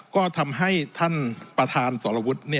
ก็ทำให้ท่านประธานสรวุฒิ